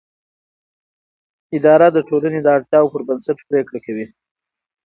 اداره د ټولنې د اړتیاوو پر بنسټ پریکړه کوي.